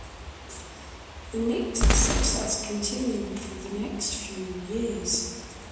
The Knicks' success continued for the next few years.